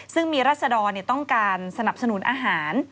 ซึ่งมีรัศดรต้องการสนับสนุนอาหาร